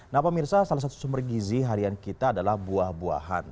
nah pemirsa salah satu sumber gizi harian kita adalah buah buahan